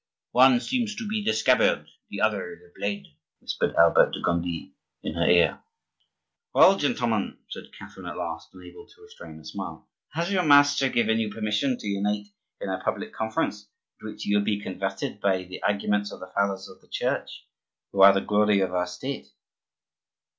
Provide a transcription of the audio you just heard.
"One seems to be the scabbard, the other the blade," whispered Albert de Gondi in her ear. "Well, gentlemen," said Catherine at last, unable to restrain a smile, "has your master given you permission to unite in a public conference, at which you will be converted by the arguments of the Fathers of the Church who are the glory of our State?"